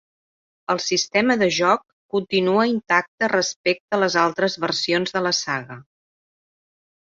El sistema de joc continua intacte respecte les altres versions de la saga.